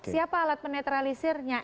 siapa alat penetralisirnya